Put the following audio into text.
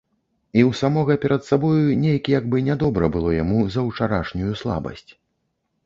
І ў самога перад сабою нейк як бы нядобра было яму за ўчарашнюю слабасць.